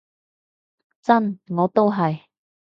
真，我都係